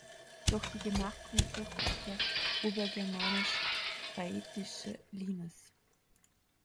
Durch die Gemarkung führt auch der Obergermanisch-Raetische Limes.